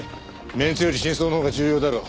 メンツより真相のほうが重要だろう。